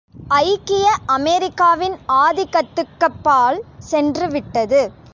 ஐக்கிய அமெரிக்காவின் ஆதிக்கத்துக்கப்பால் சென்றுவிட்டது.